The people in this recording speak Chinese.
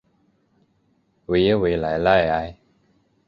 维耶维莱赖埃。